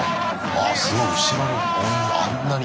あっすごい後ろに応援があんなに。